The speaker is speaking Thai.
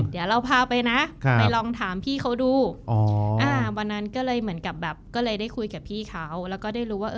เขาก็ถามจุนกลับมาว่า